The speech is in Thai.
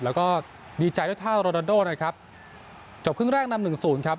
แล้วก็ดีใจด้วยเท่าโรนาโดนะครับจบครึ่งแรกนำหนึ่งศูนย์ครับ